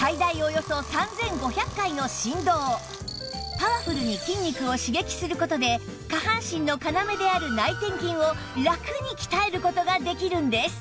パワフルに筋肉を刺激する事で下半身の要である内転筋をラクに鍛える事ができるんです